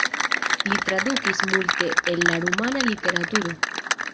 Li tradukis multe el la rumana literaturo.